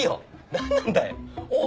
何なんだい。